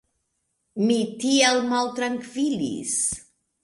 Mi tiel maltrankvilis!